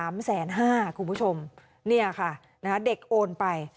๓๕๐๐บาทคุณผู้ชมเนี่ยค่ะนะคะเด็กโอนไป